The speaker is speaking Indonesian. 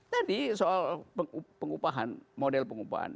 tadi soal pengupahan model pengupahan